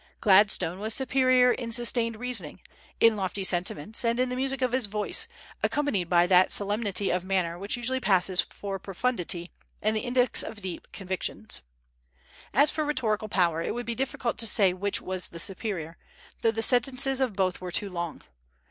Gladstone was superior in sustained reasoning, in lofty sentiments, and in the music of his voice, accompanied by that solemnity of manner which usually passes for profundity and the index of deep convictions. As for rhetorical power, it would be difficult to say which was the superior, though the sentences of both were too long.